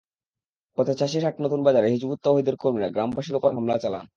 পথে চাষির হাট নতুন বাজারে হিজবুত তওহিদের কর্মীরা গ্রামবাসীর ওপর হামলা চালান।